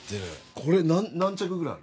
これ何着ぐらいある？